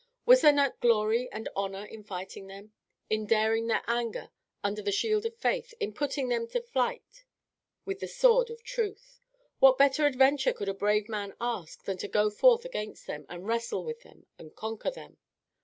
Was there not glory and honour in fighting them, in daring their anger under the shield of faith, in putting them to flight with the sword of truth? What better adventure could a brave man ask than to go forth against them, and wrestle with them, and conquer them?